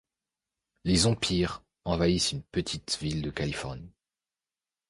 Les zompires envahissent une petite ville de Californie.